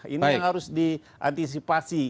ini yang harus diantisipasi